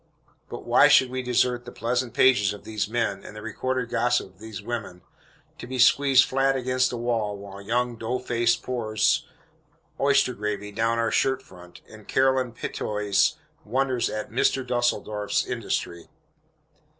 But why should we desert the pleasant pages of those men, and the recorded gossip of those women, to be squeezed flat against a wall, while young Doughface pours oyster gravy down our shirt front, and Caroline Pettitoes wonders at "Mr. Düsseldorf's" industry?